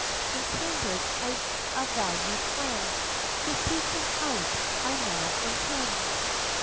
In Cambridge I've a valued friend; To seek him out I now intend.